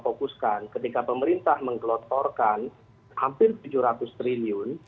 fokuskan ketika pemerintah menggelotorkan hampir rp tujuh ratus triliun